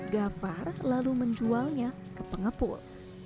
gafar lalu menjualnya ke pengepul